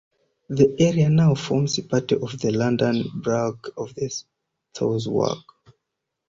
The area now forms part of the London Borough of Southwark.